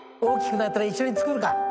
大きくなったら一緒に作るか。